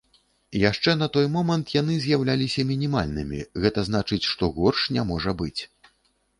Яшчэ на той момант яны з'яўляліся мінімальнымі, гэта значыць, што горш не можа быць.